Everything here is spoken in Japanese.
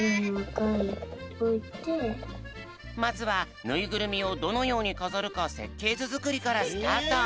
まずはぬいぐるみをどのようにかざるかせっけいずづくりからスタート。